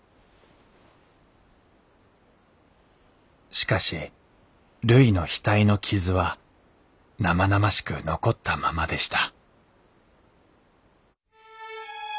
しかしるいの額の傷は生々しく残ったままでした